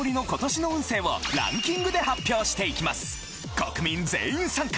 国民全員参加！